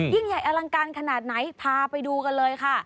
ยิ่งใหญ่อลังการขนาดไหนพาไปดูกันเลยค่ะ